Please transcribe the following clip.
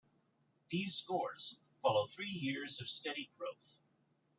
These scores follow three years of steady growth.